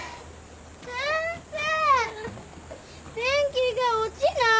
先生ペンキが落ちない。